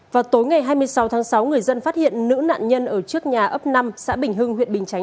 vào tối ngày hai mươi sáu tháng sáu người dân phát hiện nữ nạn nhân ở trước nhà ấp năm xã bình hưng huyện bình chánh